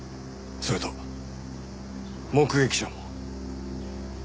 それと目撃者も。